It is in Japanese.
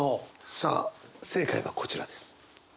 さあ正解はこちらです。